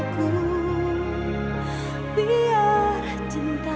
kau gak listrik